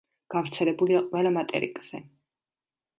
გავრცელებულია ყველა მატერიკზე.